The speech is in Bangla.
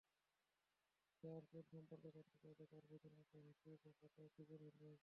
কেয়ার চুল সম্পর্কে জানতে চাইলে পারভেজের মুখে হাসির রেখাটা দ্বিগুণ হলো।